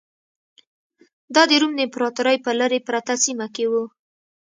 دا د روم امپراتورۍ په لرې پرته سیمه کې و